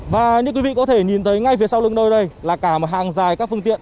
và như quý vị có thể nhìn thấy ngay phía sau lưng nơi đây là cả một hàng dài các phương tiện